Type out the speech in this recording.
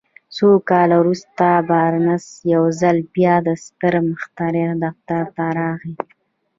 څو کاله وروسته بارنس يو ځل بيا د ستر مخترع دفتر ته راغی.